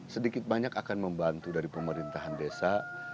sedikit banyak akan membantu dari pemerintahan desa